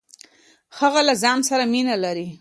هغه له ځان سره مينه لري.